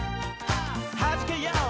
「はじけよう！